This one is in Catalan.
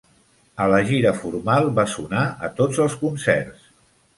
A la gira formal va sonar a tots els concerts.